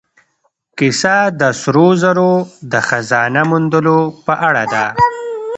کیسه د سرو زرو د خزانه موندلو په اړه ده.